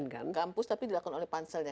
kampus tapi dilakukan oleh panselnya